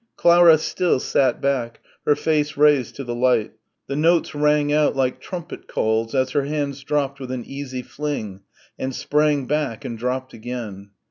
Clara still sat back, her face raised to the light. The notes rang out like trumpet calls as her hands dropped with an easy fling and sprang back and dropped again.